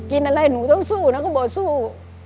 กินอะไรหนูต้องสู้นะก็บอกสู้